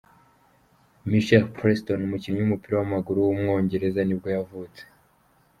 Michael Preston, umukinnyi w’umupira w’amaguru w’umwongereza nibwo yavutse.